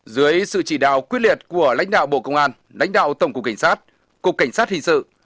dưới sự chỉ đạo quyết liệt của lãnh đạo bộ công an lãnh đạo tổng cục cảnh sát cục cảnh sát hình sự